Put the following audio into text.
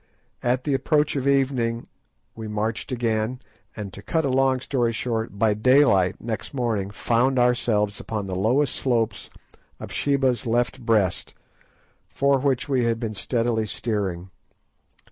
At the approach of evening we marched again, and, to cut a long story short, by daylight next morning found ourselves upon the lowest slopes of Sheba's left breast, for which we had been steadily steering.